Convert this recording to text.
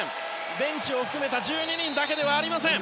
ベンチを含めた１２人だけではありません。